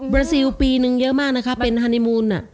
เบรอซีลปีนึงมากนะคะเป็นฮันนี่มูน